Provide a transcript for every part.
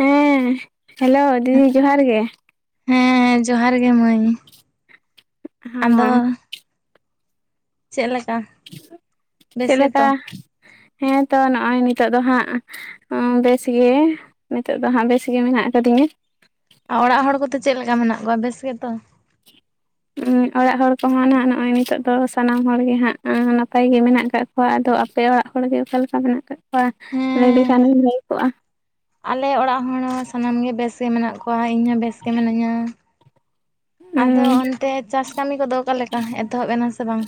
ᱦᱮᱸ ᱦᱮᱞᱳ ᱫᱤᱫᱤ ᱡᱚᱦᱟᱨ ᱜᱮ ᱦᱮᱸ ᱡᱚᱦᱟᱨ ᱜᱮ ᱢᱟᱹᱭ ᱟᱫᱚ ᱦᱚᱸ ᱪᱮᱫ ᱞᱮᱠᱟ? ᱵᱮᱥ ᱪᱮᱫ ᱞᱮᱠᱟ ᱜᱮᱛᱚ ᱦᱮᱸᱛᱚ ᱱᱚᱜ-ᱚᱭ ᱱᱤᱛᱚᱜ ᱫᱚ ᱦᱟᱸᱜ ᱵᱮᱥ ᱜᱮ ᱱᱤᱛᱚᱜ ᱫᱚ ᱦᱟᱸᱜ ᱵᱮᱥ ᱜᱮ ᱢᱮᱱᱟᱜ ᱠᱟᱫᱤᱧᱟ᱾ ᱟ ᱚᱲᱟᱜ ᱦᱚᱲ ᱠᱚᱫᱚ ᱪᱮᱫ ᱞᱮᱠᱟ ᱢᱮᱱᱟᱜ ᱠᱚᱣᱟ ᱵᱮᱥ ᱜᱮᱛᱚ? [inaudible] ᱩ ᱚᱲᱟᱜ ᱦᱚᱲ ᱠᱚᱦᱚᱸ ᱱᱟᱜᱦ ᱱᱚᱜ-ᱚᱭ ᱱᱤᱛᱚᱜ ᱫᱚ ᱥᱟᱱᱟᱢ ᱦᱚᱲ ᱜᱮ ᱦᱟᱜ ᱱᱟᱯᱟᱭ ᱜᱮ ᱢᱮᱱᱟᱜ ᱠᱟᱜ ᱦᱚᱸ ᱟᱫᱚ ᱟᱯᱮ ᱚᱲᱟᱜ ᱦᱚᱲᱜᱮ ᱚᱠᱟ ᱞᱮᱠᱟ ᱢᱮᱱᱟᱜ ᱠᱟᱫ ᱠᱚᱣᱟ ᱞᱟᱹᱭ ᱦᱮᱸ ᱞᱮᱠᱷᱟ ᱱᱮᱢ ᱵᱷᱟᱹᱜᱤ ᱠᱚᱜ-ᱟ ᱟᱞᱮ ᱚᱲᱟᱜ ᱦᱚᱲ ᱦᱚᱸ ᱥᱟᱱᱟᱢ ᱜᱮ ᱵᱮᱥ ᱜᱮ ᱢᱮᱱᱟᱜ ᱠᱚᱣᱟ ᱤᱧ ᱦᱚᱸ ᱵᱮᱥ ᱜᱮ ᱢᱤᱱᱟᱹᱧᱟ᱾ ᱟᱫᱚ ᱦᱩᱸ ᱚᱱᱛᱮ ᱪᱟᱥ ᱠᱟᱢᱤ ᱠᱚᱫᱚ ᱚᱠᱟᱞᱮᱠᱟ ᱮᱛᱚᱦᱚᱵ ᱮᱱᱟ ᱥᱮ ᱵᱟᱝ?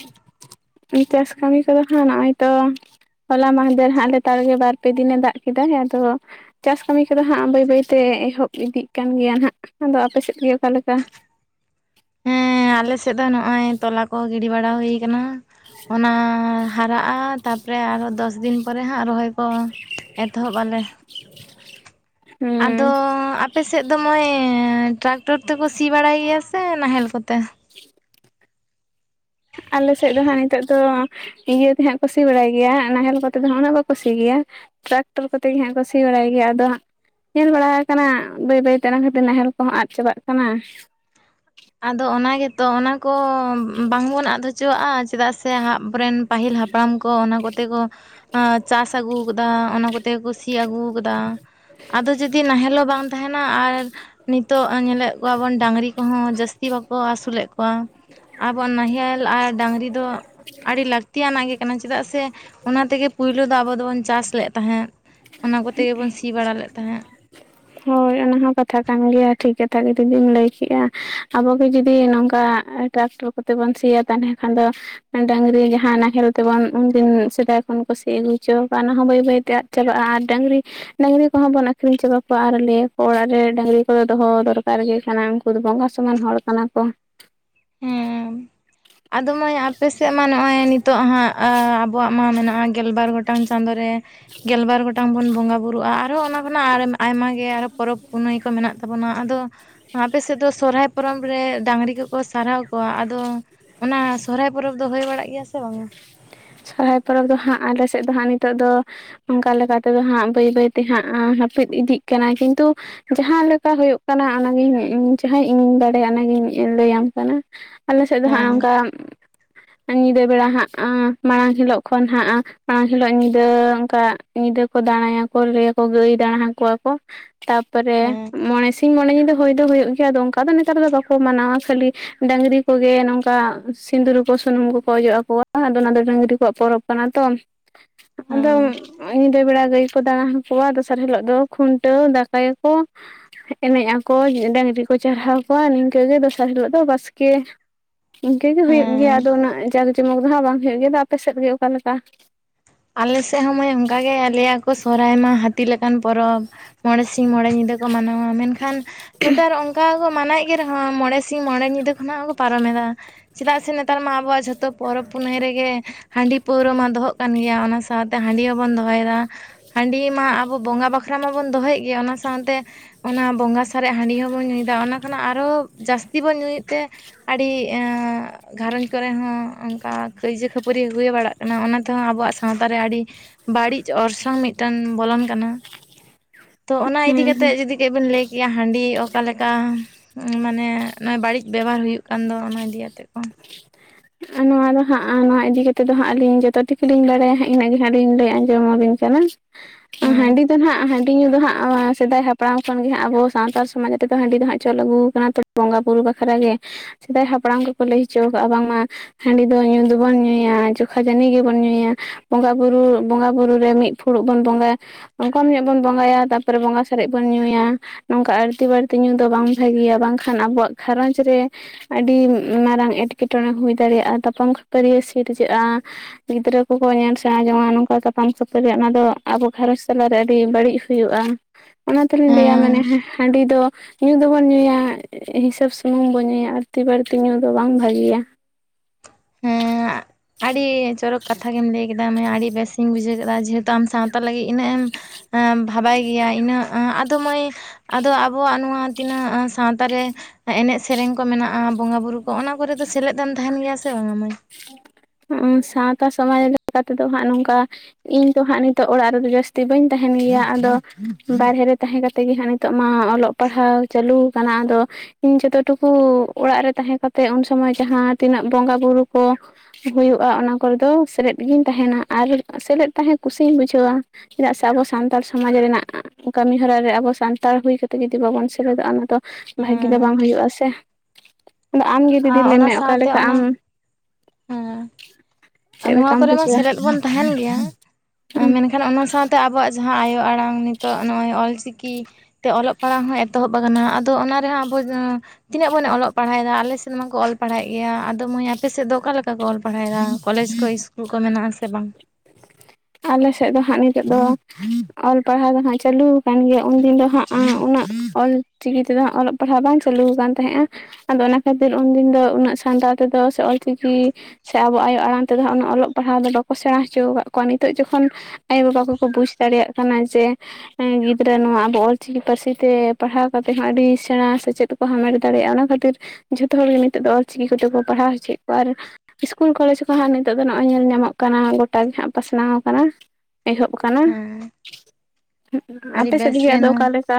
ᱪᱟᱥ ᱠᱟᱹᱢᱤ ᱠᱚᱫᱚ ᱦᱟᱸᱜ ᱱᱚᱜ-ᱚᱭ ᱛᱚ ᱦᱚᱞᱟ ᱢᱟᱦᱫᱮᱨ ᱦᱟᱸᱜ ᱞᱮᱛᱟᱲ ᱜᱮ ᱵᱟᱨ ᱯᱮ ᱫᱤᱱᱮ ᱫᱟᱜ ᱠᱮᱫᱟᱭ ᱟᱫᱚ ᱪᱟᱥ ᱠᱟᱹᱢᱤ ᱠᱚᱫᱚ ᱦᱟᱸᱜ ᱵᱟᱹᱭ ᱵᱟᱹᱭᱛᱮ ᱮᱦᱚᱵ ᱤᱫᱤᱜ ᱠᱟᱱ ᱜᱮᱭᱟ ᱱᱦᱟᱸᱜ ᱟᱫᱚ ᱟᱯᱮ ᱥᱮᱫ ᱜᱮ ᱚᱠᱟᱞᱮᱠᱟ? ᱦᱮᱸ ᱟᱞᱮ ᱥᱮᱫ ᱫᱚ ᱱᱚᱜ-ᱚᱭ ᱛᱚᱞᱟ ᱠᱚ ᱜᱤᱰᱤ ᱵᱟᱲᱟ ᱦᱩᱭ ᱠᱟᱱᱟ᱾ ᱚᱱᱟ ᱦᱟᱨᱟᱜ-ᱟ ᱛᱟᱯᱚᱨᱮ ᱟᱨᱚ ᱫᱚᱥ ᱫᱤᱱ ᱯᱚᱨᱮ ᱦᱟᱸᱜ ᱨᱚᱦᱚᱭ ᱠᱚ ᱮᱛᱚᱦᱚᱵ ᱟᱞᱮ᱾ [inaudible] ᱦᱩᱸ ᱟᱫᱚ ᱟᱯᱮᱥᱮᱫ ᱫᱚ ᱢᱟᱹᱭ ᱴᱨᱟᱠ ᱴᱨ ᱛᱮᱠᱚ ᱥᱤ ᱵᱟᱲᱟᱭ ᱜᱮᱭᱟ ᱥᱮ ᱱᱟᱦᱮᱞ ᱠᱚ [inaudible] ᱟᱞᱮ ᱥᱮᱫ ᱫᱚ ᱦᱟᱸᱜ ᱱᱤᱛᱚᱜ ᱫᱚ- ᱤᱭᱟᱹ ᱛᱮᱦᱟᱸᱜ ᱠᱩ ᱥᱤ ᱵᱟᱲᱟᱭ ᱜᱮᱭᱟ ᱱᱟᱦᱮᱞ ᱠᱚᱛᱮ ᱫᱚ ᱦᱟᱜ ᱩᱱᱟᱹᱜ ᱵᱟᱠᱚ ᱠᱩ ᱥᱤ ᱜᱮᱭᱟ᱾ ᱴᱨᱟᱠᱴᱚᱨ ᱠᱚᱛᱮ ᱜᱮ ᱦᱟᱸᱜ ᱠᱚ ᱥᱤ ᱵᱟᱲᱟᱭ ᱜᱮᱭᱟ ᱟᱫᱚ ᱦᱟᱸᱜ ᱧᱮᱞ ᱵᱟᱲᱟ ᱟᱠᱟᱱᱟ ᱵᱟᱹᱭ ᱵᱟᱹᱭᱛᱮ ᱚᱱᱟ ᱠᱷᱟᱹᱛᱤᱨ ᱱᱟᱦᱮᱞ ᱠᱚᱦᱚᱸ ᱟᱫ ᱪᱟᱵᱟᱜ ᱠᱟᱱᱟ᱾ ᱟᱫᱚ ᱚᱱᱟ ᱜᱮᱛᱚ ᱚᱱᱟ ᱠᱚ ᱵᱟᱝᱵᱚᱱ ᱟᱫ ᱦᱚᱪᱚᱣᱟᱜ-ᱟ ᱪᱮᱫᱟᱜᱥ ᱛᱨ ᱦᱟᱜ ᱵᱚᱨᱮᱱ ᱯᱟᱹᱦᱤᱞ ᱦᱟᱯᱲᱟᱢ ᱠᱚ ᱚᱱᱟ ᱠᱚᱛᱮ ᱠᱚ ᱪᱟᱥ ᱟᱹᱜᱩᱣ ᱠᱟᱫᱟ ᱚᱱᱟ ᱠᱚᱛᱮ ᱜᱮᱠᱚ ᱠᱚ ᱥᱤ ᱟᱹᱜᱩ ᱠᱟᱫᱟ, ᱟᱫᱚ ᱡᱩᱫᱤ ᱱᱟᱦᱮᱞ ᱦᱚᱸ ᱵᱟᱝ ᱛᱟᱦᱮᱱᱟ ᱟᱨ ᱱᱤᱛᱚᱜ ᱧᱮᱞᱮᱫ ᱠᱚᱣᱟ ᱵᱚᱱ ᱰᱟᱝᱨᱤ ᱠᱚᱦᱚᱸ ᱡᱟᱹᱥ ᱛᱤ ᱵᱟᱠᱚ ᱟᱥᱩᱞᱮᱫ ᱠᱚᱣᱟ ᱟᱵᱚᱣᱟᱜ ᱱᱟᱦᱮᱞ ᱟᱨ ᱰᱟᱝᱨᱤ ᱫᱚ ᱟᱰᱤ ᱞᱟᱠᱛᱤᱭᱟᱱᱟᱜ ᱜᱮ ᱪᱮᱫᱟᱜ ᱥᱮ ᱚᱱᱟ ᱛᱮᱜᱮ ᱯᱳᱭᱞᱳ ᱫᱚ ᱟᱵᱚ ᱫᱚᱵᱚᱱ ᱪᱟᱥ ᱞᱮᱫ ᱛᱟᱦᱮᱸᱫ ᱚᱱᱟ ᱠᱚᱛᱮ ᱜᱮ ᱵᱚᱱ ᱥᱤᱭᱟ᱾ ᱥᱤ ᱵᱟᱲᱟ ᱞᱮᱫ ᱛᱟᱦᱮᱸᱫ᱾ ᱦᱳᱭ ᱚᱱᱟ ᱦᱚᱸ ᱠᱟᱛᱷᱟ ᱠᱟᱱ ᱜᱮᱭᱟ ᱴᱷᱤᱠ ᱠᱟᱛᱷᱟ ᱜᱮᱛᱚ ᱫᱩᱵᱤᱱ ᱞᱟᱹᱭᱠᱮᱜᱼᱟ, ᱟᱵᱚᱜᱮ ᱡᱩᱫᱤ ᱱᱚᱝᱠᱟᱼᱼ ᱴᱨᱟᱠᱴᱚᱨ ᱠᱚᱛᱮ ᱵᱚᱱ ᱥᱤᱭᱟ ᱛᱟᱦᱚᱞᱮ ᱠᱷᱟᱱ ᱫᱚᱼᱼ ᱰᱟᱝᱨᱤ ᱡᱟᱦᱟᱸ ᱱᱟᱦᱮᱞ ᱛᱮᱵᱚᱱ ᱩᱱᱫᱤᱱ ᱥᱮᱫᱟᱭ ᱠᱷᱚᱱ ᱠᱚ ᱥᱤ ᱟᱹᱜᱩ ᱦᱚᱪᱚᱣᱟ ᱚᱱᱟᱦᱚᱸ ᱵᱟᱹᱭ ᱵᱟᱹᱭᱛᱮ ᱟᱱᱼᱼ ᱪᱟᱵᱟᱜᱼᱟ ᱟᱨ ᱰᱟᱝᱨᱤ ᱰᱟᱝᱨᱤ ᱠᱚᱦᱚᱸ ᱵᱚᱱ ᱟᱠᱷᱨᱤᱧ ᱪᱟᱵᱟᱼᱼ ᱟᱨ ᱞᱟᱹᱭᱟᱠᱚ ᱚᱲᱟᱜ ᱨᱮ ᱰᱟᱹᱝᱨᱤ ᱠᱚᱫᱚ ᱫᱚᱦᱚ ᱫᱚᱨᱠᱟᱨ ᱜᱮ ᱠᱟᱱᱟ ᱩᱱᱠᱩ ᱫᱚ ᱵᱚᱸᱜᱟ ᱥᱚᱢᱟᱱ ᱦᱚᱲ ᱠᱟᱱᱟ ᱠᱚ᱾ ᱦᱮᱸ ᱟᱫᱚ ᱢᱟᱹᱭ ᱟᱯᱮ ᱥᱮᱫ ᱢᱟ ᱱᱚᱜᱼᱚᱭ ᱱᱤᱛᱚᱜ ᱦᱟᱸᱜ ᱟᱵᱚᱣᱟᱜ ᱢᱟ ᱢᱮᱱᱟᱜᱼᱟ ᱜᱮᱞᱵᱟᱨ ᱜᱚᱴᱟᱝ ᱪᱟᱸᱫᱳ ᱨᱮᱼᱼ ᱜᱮᱞᱵᱟᱨ ᱜᱚᱴᱟᱝ ᱵᱚᱱ ᱵᱚᱸᱜᱟ ᱵᱩᱨᱩᱜᱼᱟ, ᱟᱨᱦᱚᱸ ᱚᱱᱟ ᱠᱷᱚᱱᱟᱜ ᱟᱨ ᱟᱭᱢᱟ ᱜᱮ ᱟᱨᱦᱚᱸ ᱯᱚᱨᱚᱵᱽ ᱯᱩᱱᱟᱹᱭ ᱠᱚ ᱢᱮᱱᱟᱜ ᱛᱟᱵᱚᱱᱟ ᱟᱫᱚᱼᱼ ᱟᱯᱮ ᱥᱮᱫ ᱫᱚ ᱥᱚᱨᱦᱟᱭ ᱯᱚᱨᱚᱵ ᱨᱮ ᱰᱟᱝᱨᱤ ᱠᱚᱠᱚ ᱥᱟᱨᱦᱟᱣ ᱠᱚᱣᱟ ᱟᱫᱚᱼᱼ ᱚᱱᱟ ᱥᱚᱨᱦᱟᱭ ᱯᱚᱨᱚᱵ ᱫᱚ ᱦᱩᱭ ᱵᱟᱲᱟᱜ ᱜᱮᱭᱟ ᱥᱮ ᱵᱟᱝᱟ? ᱥᱚᱨᱦᱟᱭ ᱯᱚᱨᱚᱵ ᱫᱚ ᱦᱟᱸᱜ ᱟᱞᱮ ᱥᱮᱫ ᱫᱚ ᱦᱟᱸᱜ ᱱᱤᱛᱚᱜ ᱫᱚ ᱚᱱᱠᱟ ᱞᱮᱠᱟ ᱛᱮᱫᱚ ᱦᱟᱸᱜ ᱵᱟᱹᱭ ᱵᱟᱹᱭ ᱛᱮ ᱦᱟᱸᱜ ᱦᱟᱹᱯᱤᱫ ᱤᱫᱤᱜ ᱠᱟᱱᱟ ᱠᱤᱱᱛᱩᱼᱼ ᱡᱟᱸᱦᱟ ᱞᱮᱠᱟ ᱦᱩᱭᱩᱜ ᱠᱟᱱᱟ ᱚᱱᱟᱜᱤ ᱡᱟᱸᱦᱟ ᱤᱧᱤᱧ ᱵᱟᱲᱟᱭᱟ ᱚᱱᱟᱜᱤᱧ ᱞᱟᱹᱭᱟᱢ ᱠᱟᱱᱟ᱾ ᱟᱞᱮᱥᱮᱫ ᱫᱚ ᱦᱮᱸ ᱦᱟᱸᱜ ᱦᱮᱸ ᱱᱚᱝᱠᱟ ᱧᱤᱫᱟᱹ ᱵᱮᱲᱟ ᱦᱟᱸᱜᱼᱼ ᱢᱟᱲᱟᱝ ᱦᱤᱞᱳᱜ ᱠᱷᱚᱱ ᱦᱟᱸᱜ ᱢᱟᱲᱟᱝ ᱦᱤᱞᱳᱜ ᱧᱤᱫᱟᱹ ᱚᱱᱠᱟ ᱧᱤᱫᱟᱹ ᱠᱚ ᱫᱟᱬᱟᱭᱟ᱾ ᱦᱚᱭ ᱞᱟᱹᱭᱟ ᱠᱚ ᱜᱟᱹᱭ ᱰᱟᱬᱦᱟ ᱠᱚᱣᱟ ᱠᱚ ᱛᱟᱯᱚᱨᱮ ᱢᱚᱬᱮ ᱥᱤᱧ ᱢᱚᱬᱮ ᱧᱤᱫᱟᱹ ᱦᱩᱭ ᱫᱚ ᱦᱩᱭᱩᱜ ᱜᱮᱭᱟ ᱟᱫᱚ ᱱᱮᱛᱟᱨ ᱫᱚ ᱵᱟᱠᱚ ᱢᱟᱱᱟᱣᱟ ᱠᱷᱟᱹᱞᱤ ᱰᱟᱝᱨᱤ ᱠᱚᱜᱮ ᱱᱚᱝᱠᱟ ᱥᱤᱫᱩᱨ ᱠᱚ ᱥᱩᱱᱩᱢ ᱠᱚ ᱠᱚᱼᱼ ᱚᱡᱚᱜ ᱟᱠᱚᱣᱟ ᱟᱫᱚ ᱚᱱᱟ ᱰᱟᱝᱨᱤ ᱠᱚᱣᱟᱜ ᱯᱚᱨᱚᱵ ᱠᱟᱱᱟ ᱛᱚ ᱟᱫᱚᱼᱼ ᱦᱮᱸ ᱧᱤᱫᱟ ᱵᱮᱲᱟ ᱜᱟᱹᱭ ᱠᱚ ᱫᱟᱬᱟ ᱠᱚᱣᱟ ᱫᱚᱥᱟᱨ ᱦᱤᱞᱳᱜ ᱫᱚ ᱠᱷᱩᱱᱴᱟᱹᱣ ᱫᱟᱠᱟᱭᱟᱠᱚ᱾ ᱮᱱᱮᱡ ᱟᱠᱚ ᱰᱟᱹᱝᱨᱤ ᱠᱚ ᱪᱟᱨᱦᱟᱣ ᱠᱚᱣᱟ ᱱᱤᱝᱠᱟᱹ ᱜᱮ ᱫᱚᱥᱟᱨ ᱦᱤᱞᱳᱜ ᱫᱚ ᱵᱟᱥᱠᱮ᱾ ᱤᱱᱠᱟᱹ ᱜᱮ ᱦᱮᱸ ᱦᱩᱭᱩᱜ ᱜᱮᱭᱟ ᱦᱮᱸ ᱟᱫᱚ ᱩᱱᱟᱹᱜ ᱡᱟᱠ ᱡᱚᱢᱚᱠ ᱫᱚ ᱦᱟᱸᱜ ᱵᱟᱝ ᱦᱩᱭᱩᱜ ᱜᱮᱭᱟ, ᱟᱫᱚ ᱟᱯᱮ ᱥᱮᱫ ᱜᱮ ᱚᱠᱟᱞᱮᱠᱟ? ᱟᱞᱮ ᱥᱮᱫ ᱦᱚᱸ ᱢᱟᱹᱭ ᱚᱱᱠᱟᱜ ᱜᱮ ᱞᱟᱹᱭᱟ ᱠᱚ ᱥᱚᱨᱚᱦᱟᱭ ᱢᱟ ᱦᱟᱹᱛᱤ ᱞᱮᱠᱟᱱ ᱯᱚᱨᱚᱵᱽ᱾ ᱢᱚᱬᱮ ᱥᱤᱧ ᱢᱚᱬᱮ ᱧᱤᱫᱟᱹ ᱠᱚ ᱢᱟᱱᱟᱣᱟ ᱢᱮᱱᱠᱷᱟᱱ ᱱᱮᱛᱟᱨ ᱚᱱᱠᱟ ᱠᱚ ᱢᱟᱱᱟᱣᱮᱫ ᱜᱮᱭᱟ᱾ ᱦᱚᱸ ᱢᱚᱬᱮ ᱥᱤᱧ ᱢᱚᱬᱮ ᱧᱤᱫᱟᱹ ᱠᱷᱚᱱᱟᱜ ᱠᱚ ᱯᱟᱨᱚᱢ ᱮᱫᱟ᱾ ᱪᱮᱫᱟᱜ ᱥᱮ ᱱᱮᱛᱟᱨ ᱢᱟ ᱟᱵᱚᱣᱟᱜ ᱡᱷᱚᱛᱚ ᱯᱚᱨᱚᱵ ᱯᱩᱱᱟᱹᱭ ᱨᱮᱜᱮ ᱦᱟᱺᱰᱤ ᱯᱟᱹᱣᱨᱟᱹ ᱢᱟ ᱫᱚᱦᱚᱜ ᱠᱟᱱᱟ᱾ ᱠᱟᱱ ᱜᱮᱭᱟ ᱚᱱᱟ ᱥᱟᱶᱛᱮ ᱦᱟᱺᱰᱤ ᱦᱚᱸᱵᱚᱱ ᱫᱚᱦᱚᱭᱮᱫᱟ᱾ ᱦᱟᱺᱰᱤ ᱢᱟ ᱟᱵᱚ ᱵᱚᱸᱜᱟ ᱵᱟᱠᱷᱨᱟ ᱢᱟᱵᱚᱱ ᱫᱚᱦᱚᱭᱮᱫ ᱜᱮᱭᱟ ᱚᱱᱟ ᱥᱟᱶᱛᱮᱼᱼ ᱚᱱᱟ ᱵᱚᱸᱜᱟ ᱥᱟᱨᱮᱡ ᱦᱟᱺᱰᱤ ᱦᱚᱸᱵᱚᱱ ᱧᱩᱭᱮᱫᱟ ᱚᱱᱟ ᱠᱷᱚᱱᱟᱜ ᱟᱨᱚ ᱡᱟᱹᱥᱛᱤ ᱵᱚᱱ ᱧᱩᱭᱮᱫ ᱛᱮ ᱟᱹᱰᱤ ᱜᱷᱟᱨᱚᱸᱡ ᱠᱚᱨᱮ ᱦᱚᱸ ᱚᱱᱠᱟ ᱠᱟᱹᱭᱡᱟᱹ ᱠᱷᱟᱹᱯᱟᱹᱨᱤ ᱦᱩᱭ ᱵᱟᱲᱟᱜ ᱠᱟᱱᱟ, ᱚᱱᱟᱛᱮᱼᱼ ᱱᱤᱛ ᱟᱵᱚᱣᱟᱜ ᱥᱟᱶᱛᱟ ᱨᱮ ᱟᱹᱰᱤ ᱵᱟᱹᱲᱤᱡ ᱚᱨᱥᱚᱝ ᱢᱤᱫᱴᱟᱝ ᱵᱚᱞᱚᱱ ᱠᱟᱱᱟ᱾ ᱛᱚ ᱚᱱᱟ ᱤᱫᱤ ᱠᱟᱛᱮᱫ ᱦᱮᱸ ᱡᱩᱫᱤ ᱠᱟᱹᱡ ᱵᱤᱱ ᱞᱟᱹᱭ ᱠᱮᱭᱟ ᱦᱟᱺᱰᱤ ᱚᱠᱟᱞᱮᱠᱟ? ᱢᱟᱱᱮ ᱱᱚᱜᱼᱚᱭ ᱵᱟᱹᱲᱤᱡ ᱵᱮᱵᱚᱦᱟᱨ ᱦᱩᱭᱩᱜ ᱠᱟᱱ ᱫᱚ ᱚᱱᱟ ᱤᱫᱤᱠᱟᱛᱮᱜ ᱠᱚ᱾ ᱱᱚᱣᱟ ᱫᱚ ᱦᱟᱸᱜ ᱱᱚᱣᱟ ᱤᱫᱤ ᱠᱟᱛᱮ ᱫᱚ ᱦᱟᱸᱜ ᱟᱹᱞᱤᱧ ᱡᱚᱛᱚ ᱴᱩᱠᱩ ᱞᱤᱧ ᱵᱟᱲᱟᱭᱟ ᱦᱟᱸᱜ ᱤᱱᱟᱹᱜ ᱜᱮ ᱦᱟᱸᱜ ᱞᱤᱧ ᱞᱟᱹᱭ ᱟᱸᱡᱚᱢᱟᱵᱤᱱ ᱠᱟᱱᱟ᱾ ᱦᱮᱸ ᱦᱟᱺᱰᱤ ᱫᱚ ᱦᱟᱸᱜ ᱦᱟᱺᱰᱤᱼᱼ ᱦᱟᱺᱰᱤ ᱧᱩ ᱫᱚ ᱦᱟᱸᱜ ᱥᱮᱫᱟᱭ ᱦᱟᱯᱟᱢ ᱠᱷᱚᱱ ᱜᱮ ᱦᱟᱸᱜ ᱟᱵᱚ ᱥᱟᱶᱛᱟᱲ ᱥᱚᱢᱟᱡᱽ ᱨᱮᱫᱚ ᱦᱟᱺᱰᱤ ᱫᱚ ᱦᱟᱸᱜ ᱪᱚᱞ ᱟᱹᱜᱩ ᱟᱠᱟᱱᱟ᱾ ᱵᱚᱸᱜᱟ ᱵᱩᱨᱩ ᱵᱟᱠᱷᱨᱟ ᱜᱮ ᱥᱮᱫᱟᱭ ᱦᱟᱯᱲᱟᱢ ᱠᱚᱠᱚ ᱞᱟᱹᱭ ᱦᱚᱪᱚ ᱠᱟᱜ-ᱟ ᱵᱟᱝᱢᱟᱼᱼ ᱦᱟᱺᱰᱤ ᱫᱚ ᱧᱩ ᱫᱚᱵᱚᱱ ᱧᱩᱭᱟ ᱪᱚᱠᱷᱟ ᱡᱟᱹᱱᱤ ᱜᱮᱵᱚᱱ ᱧᱩᱭᱟ ᱵᱚᱸᱜᱟ ᱵᱩᱨᱩ ᱵᱚᱸᱜᱟ ᱵᱩᱨᱩ ᱨᱮ ᱢᱤᱫᱼᱼ ᱯᱷᱩᱲᱩᱜ ᱵᱚᱱ ᱵᱚᱸᱜᱟᱭᱟ ᱚᱱᱠᱢ ᱧᱚᱜ ᱵᱚᱱ ᱵᱚᱸᱜᱟᱭᱟ ᱛᱟᱯᱚᱨᱮ ᱵᱚᱸᱜᱟ ᱥᱟᱨᱮᱡ ᱵᱚᱱ ᱧᱩᱭᱟ᱾ ᱱᱚᱝᱠᱟ ᱟᱹᱲᱛᱤ ᱵᱟᱹᱲᱛᱤ ᱧᱩ ᱫᱚ ᱵᱟᱝ ᱵᱷᱟᱹᱜᱤᱭᱟ ᱵᱟᱝᱠᱷᱟᱱ ᱟᱵᱚᱣᱟᱜ ᱜᱷᱟᱸᱨᱚᱡᱽ ᱨᱮᱼᱼ ᱟᱹᱰᱤ ᱢᱟᱨᱟᱝ ᱮᱸᱴᱠᱮᱴᱚᱬᱮ ᱦᱩᱭ ᱫᱟᱲᱮᱭᱟᱜ-ᱟ, ᱛᱟᱯᱟᱢ ᱠᱷᱟᱹᱯᱟᱹᱨᱤ ᱥᱤᱨᱡᱟᱹᱜ-ᱟ᱾ ᱜᱤᱫᱽᱨᱟᱹ ᱠᱚᱠᱚ ᱧᱮᱞ ᱥᱮᱬᱟ ᱡᱚᱝᱟ ᱱᱚᱝᱠᱟ ᱛᱟᱯᱟᱢ ᱥᱟᱹᱯᱟᱹᱨᱤ ᱨᱮᱭᱟᱜ ᱚᱱᱟ ᱫᱚ ᱟᱵᱚ ᱜᱷᱟᱨᱚᱸᱡ ᱛᱟᱞᱟᱮ ᱟᱹᱰᱤ ᱵᱟᱹᱲᱤᱡ᱾ ᱦᱩᱭᱩᱜ-ᱟ, ᱚᱱᱟ ᱛᱮᱞᱤᱧ ᱞᱟᱹᱭᱟ ᱢᱟᱱᱮ ᱦᱮᱸ ᱦᱟᱺᱰᱤ ᱫᱚ ᱧᱩ ᱫᱚᱵᱚᱱ ᱧᱩᱭᱟ᱾ ᱦᱤᱥᱟᱹᱵ ᱥᱩᱢᱩᱝ ᱵᱚᱱ ᱧᱩᱭᱟ ᱟᱨᱲᱛᱤ ᱵᱟᱹᱲᱛᱤ ᱧᱩ ᱫᱚ ᱵᱟᱝ ᱵᱷᱟᱜᱮᱭᱟ᱾ ᱦᱮᱸ ᱟᱹᱰᱤ ᱪᱚᱨᱚᱠ ᱠᱟᱛᱷᱟ ᱜᱮᱢ ᱞᱟᱹᱭ ᱠᱮᱫᱟ ᱢᱟᱹᱭ ᱟᱹᱰᱤ ᱵᱮᱥᱤᱧ ᱵᱩᱡᱷᱟᱹᱣ ᱠᱮᱫᱟ ᱡᱮᱦᱮᱛᱩ ᱟᱢ ᱥᱟᱶᱛᱟ ᱞᱟᱹᱜᱤᱫ ᱤᱱᱟᱹᱜ ᱮᱢᱼᱼ ᱵᱷᱟᱵᱟᱭ ᱜᱮᱭᱟ ᱤᱱᱟᱹᱜ ᱟᱫᱚ ᱢᱟᱹᱭ ᱟᱫᱚ ᱟᱵᱚᱣᱟᱜ ᱱᱚᱣᱟ ᱛᱤᱱᱟᱹᱜᱼᱼ ᱥᱟᱶᱛᱟ ᱨᱮ ᱮᱱᱮᱡ ᱥᱮᱨᱮᱧ ᱠᱚ ᱢᱮᱱᱟᱜ-ᱟ ᱵᱚᱸᱜᱟ ᱵᱩᱨᱩ ᱠᱚ ᱚᱱᱟ ᱠᱚᱨᱮ ᱫᱚ ᱥᱮᱞᱮᱫᱮᱢ ᱛᱟᱦᱮᱱ ᱜᱮᱭᱟ ᱥᱮ ᱵᱟᱝᱟ ᱢᱟᱹᱭ? ᱥᱟᱶᱛᱟ ᱥᱚᱢᱟᱡ ᱞᱮᱠᱟ ᱛᱮᱫᱚ ᱦᱟᱸᱜ ᱱᱚᱝᱠᱟ ᱤᱧ ᱫᱚ ᱦᱟᱸᱜ ᱱᱤᱛᱚᱜ ᱚᱲᱟᱜ ᱨᱮᱫᱚ ᱡᱟᱹᱥᱛᱤ ᱵᱟᱹᱧ ᱛᱟᱦᱮᱱ ᱜᱮᱭᱟ ᱟᱫᱚ ᱵᱟᱨᱦᱮᱨᱮ ᱛᱟᱦᱮᱸ ᱠᱟᱛᱮᱜ ᱜᱮ ᱦᱟᱸᱜ ᱱᱤᱛᱚᱜ ᱢᱟ ᱚᱞᱚᱜ ᱼᱼ ᱯᱟᱲᱦᱟᱣ ᱪᱟᱹᱞᱩ ᱟᱠᱟᱱᱟ ᱟᱫᱚ ᱤᱧ ᱡᱚᱛᱚ ᱴᱩᱠᱩ ᱚᱲᱟᱜ ᱨᱮ ᱛᱟᱦᱮᱸ ᱠᱟᱛᱮᱜ ᱩᱱ ᱥᱚᱢᱚᱭ ᱡᱟᱦᱟᱸᱼᱼ ᱛᱤᱱᱟᱹᱜ ᱵᱚᱸᱜᱟ ᱵᱩᱨᱩ ᱠᱚᱼ ᱦᱩᱭᱩᱜ-ᱟ ᱚᱱᱟ ᱠᱚ ᱨᱮ ᱫᱚ ᱥᱮᱞᱮᱫ ᱜᱤᱧ ᱛᱟᱦᱮᱱᱟ ᱟᱨ ᱥᱮᱞᱮᱫ ᱛᱟᱦᱮᱸ ᱠᱩᱥᱤᱧ ᱵᱩᱡᱷᱟᱹᱣᱟ᱾ ᱪᱮᱫᱟᱜ ᱥᱮ ᱟᱵᱚ ᱥᱟᱱᱛᱟᱲ ᱥᱚᱢᱟᱡᱽ ᱨᱮᱱᱟᱜᱼᱼ ᱠᱟᱹᱢᱤ ᱦᱚᱨᱟ ᱨᱮ ᱟᱵᱚ ᱥᱟᱱᱛᱟᱲ ᱦᱩᱭ ᱠᱟᱛᱮ ᱡᱩᱫᱤ ᱵᱟᱵᱚᱱ ᱥᱮᱞᱮᱫᱚᱜ ᱚᱱᱟ ᱫᱚ ᱵᱷᱟᱹᱜᱤ ᱫᱚ ᱦᱮᱸ ᱵᱟᱝ ᱦᱩᱭᱩᱜ-ᱟᱥᱮᱼᱼ ᱟᱫᱚ ᱟᱢ ᱜᱮ ᱫᱤᱫᱤ ᱞᱟᱹᱭ ᱚᱱᱟ ᱢᱮ ᱚᱠᱟ ᱞᱮᱠᱟᱼᱼ ᱥᱟᱶᱛᱮ ᱚᱱᱟ [inaudible] ᱱᱚᱣᱟ ᱠᱚ ᱞᱮᱠᱟᱢ ᱨᱮ ᱢᱟ ᱵᱩᱡᱷᱟᱹᱣᱟ ᱥᱮᱞᱮᱫ ᱵᱚᱱ ᱛᱟᱦᱮᱱ ᱜᱮᱭᱟ ᱢᱮᱱ ᱠᱷᱟᱱ ᱚᱱᱟ ᱥᱟᱶ ᱛᱮ ᱟᱵᱚᱣᱟᱜᱼᱼ ᱡᱟᱦᱟᱸ ᱟᱭᱳ ᱟᱲᱟᱝ ᱱᱤᱛᱚᱜ ᱱᱚᱜᱼᱚᱭ ᱚᱞᱪᱤᱠᱤ ᱛᱮ ᱚᱞᱚᱜ ᱯᱟᱲᱦᱟᱣ ᱦᱚᱸ ᱮᱛᱚᱦᱚᱵ ᱟᱠᱟᱱᱟ [unintelligible] ᱛᱚ ᱚᱱᱟ ᱨᱮ ᱦᱚᱸ ᱟᱵᱚ ᱛᱤᱱᱟᱹᱜ ᱵᱚᱱ ᱚᱞᱚᱜ ᱯᱟᱲᱦᱟᱣ ᱮᱫᱟ ᱟᱞᱮ ᱥᱮᱫ ᱢᱟᱠᱚ ᱚᱞ [unintelligible] ᱯᱟᱲᱦᱟᱜ ᱜᱮᱭᱟ ᱟᱫᱚ ᱢᱟᱹᱭ ᱟᱯᱮ ᱥᱮᱫ ᱫᱚ ᱚᱠᱟ ᱞᱮᱠᱟ ᱠᱚ ᱚᱞ ᱯᱟᱲᱦᱟᱣ ᱮᱫᱟ ᱠᱚᱞᱮᱡᱽ ᱠᱚ ᱤᱥᱠᱩᱞ ᱠᱚ ᱢᱮᱱᱟᱜ-ᱟ ᱥᱮ ᱵᱟᱝ ᱟᱞᱮ ᱥᱮᱫ ᱫᱚ ᱦᱟᱸᱜ ᱱᱤᱛᱳᱜ ᱫᱚ ᱚᱞ ᱯᱟᱲᱦᱟᱣ ᱫᱚ ᱦᱟᱸᱜ ᱪᱟᱹᱞᱩᱼᱼ ᱠᱟᱱ ᱜᱮᱭᱟ ᱩᱱᱫᱤᱱ ᱫᱚ ᱦᱟᱸᱜ ᱩᱱᱟᱹᱜ ᱚᱞ ᱪᱤᱠᱤ ᱛᱮ ᱫᱚ ᱚᱞᱚᱜ ᱯᱟᱲᱦᱟᱜ ᱵᱟᱝ ᱪᱟᱹᱞᱩ ᱟᱠᱟᱱ ᱛᱟᱦᱮᱸᱫᱼᱟ ᱟᱫᱚ ᱚᱱᱟ ᱠᱷᱟᱹᱛᱤᱨ ᱩᱱ ᱫᱤᱱ ᱫᱚ ᱩᱱᱟᱹᱜ ᱥᱟᱱᱛᱟᱲ ᱛᱮᱫᱚ ᱥᱮ ᱚᱞᱪᱤᱠᱤᱼᱼ ᱥᱮ ᱟᱵᱚ ᱟᱭᱳ ᱟᱲᱟᱝ ᱛᱮ ᱫᱚ ᱦᱟᱸᱜ ᱩᱱᱟᱹᱜ ᱚᱞᱚᱜ ᱯᱟᱲᱦᱟᱣ ᱫᱚ ᱵᱟᱠᱚ ᱥᱮᱬᱟ ᱦᱚᱪᱚ ᱟᱠᱟᱫ ᱠᱚᱣᱟ ᱱᱤᱛᱼᱼ ᱱᱤᱛᱚᱜ ᱡᱚᱠᱷᱚᱱ ᱟᱭᱳ ᱵᱟᱵᱟ ᱠᱚᱠᱚ ᱵᱩᱡᱽ ᱫᱟᱲᱮᱭᱟᱜ ᱠᱟᱱᱟ ᱡᱮ, ᱜᱤᱫᱽᱨᱟᱹ ᱱᱚᱣᱟ ᱟᱵᱚ ᱚᱞᱪᱤᱠᱤ ᱯᱟᱹᱨᱥᱤ ᱛᱮ ᱯᱟᱲᱦᱟᱣ ᱠᱟᱛᱮᱫ ᱦᱚᱸ ᱟᱹᱰᱤ ᱥᱮᱬᱟ ᱥᱮᱪᱮᱫᱼᱼ ᱦᱟᱢᱮᱴ ᱫᱟᱲᱮᱭᱟᱜᱼᱟ ᱚᱱᱟ ᱠᱷᱟᱹᱛᱤᱨ ᱡᱷᱚᱛᱚ ᱦᱚᱲ ᱜᱮ ᱱᱤᱛᱚᱜ ᱫᱚ ᱚᱞᱪᱤᱠᱤ ᱠᱚᱛᱮ ᱠᱚ ᱯᱟᱲᱦᱟᱣ ᱦᱚᱪᱚᱭᱮᱫ ᱠᱚᱣᱟ ᱟᱨᱼᱼ ᱤᱥᱠᱩᱞ ᱠᱚᱞᱮᱡᱽ ᱠᱚᱦᱚᱸ ᱱᱤᱛᱚᱜ ᱫᱚ ᱱᱚᱜᱼᱚᱭ ᱧᱮᱞ ᱧᱟᱢᱚᱜ ᱠᱟᱱᱟ ᱜᱚᱴᱟ ᱜᱮ ᱦᱟᱸᱜ ᱯᱟᱥᱮᱼᱼ ᱯᱟᱥᱱᱟᱣ ᱟᱠᱟᱱᱟ ᱮᱦᱚᱵ ᱟᱠᱟᱱᱟ ᱦᱮᱸ ᱟᱹᱰᱤ ᱟᱯᱮ ᱥᱮᱫ ᱵᱮᱥ ᱜᱮ ᱟᱫᱚ ᱱᱚᱣᱟ ᱚᱠᱟ ᱞᱮᱠᱟᱼᱼ ᱛᱟ